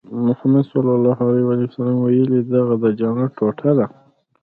محمد ص ویلي دغه د جنت ټوټه ده.